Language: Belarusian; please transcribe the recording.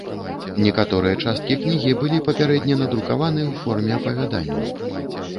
Некаторыя часткі кнігі былі папярэдне надрукаваны ў форме апавяданняў.